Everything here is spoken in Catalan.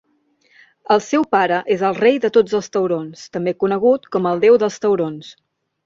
El seu pare és el "Rei de tots els taurons", també conegut com el "Déu dels taurons".